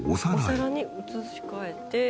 「お皿に移し替えて」